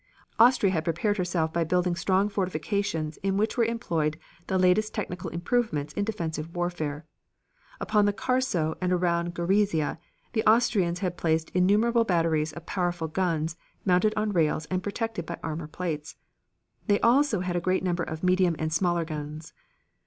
Austria had prepared herself by building strong fortifications in which were employed the latest technical improvements in defensive warfare. Upon the Carso and around Gorizia the Austrians had placed innumerable batteries of powerful guns mounted on rails and protected by armor plates. They also had a great number of medium and smaller guns.